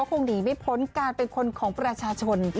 คงหนีไม่พ้นการเป็นคนของประชาชน